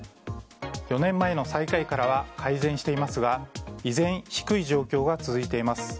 ４年前の最下位からは改善していますが依然、低い状況が続いています。